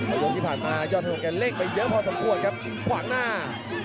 อ่าวดงที่ผ่านมายอดธนงกันเล็กไปเยอะพอสมควรครับขวางหน้า